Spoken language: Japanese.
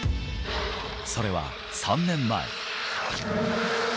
それは３年前。